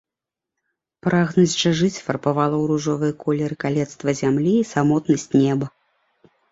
Прагнасць жа жыць фарбавала ў ружовыя колеры калецтва зямлі і самотнасць неба.